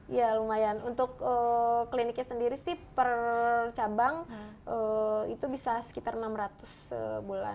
iya lumayan untuk kliniknya sendiri per cabang itu bisa sekitar enam ratus juta per bulan